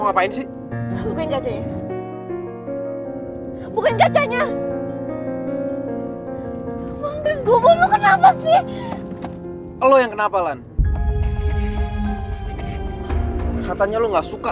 sampai jumpa di video selanjutnya